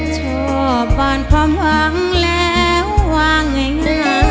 ชอบบ้านพร้อมหวังแล้วว่างอย่าง